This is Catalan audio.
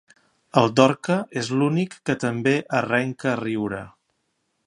El Dorca és l'únic que també arrenca a riure.